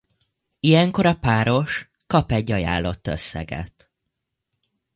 Ilyenkor a páros kap egy ajánlott összeget.